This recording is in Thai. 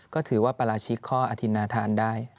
ก็ถือว่าปราชิกข้ออธินนาธานได้